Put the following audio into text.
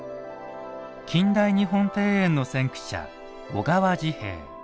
近代日本庭園の先駆者小川治兵衛。